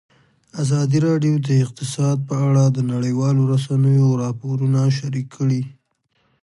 ازادي راډیو د اقتصاد په اړه د نړیوالو رسنیو راپورونه شریک کړي.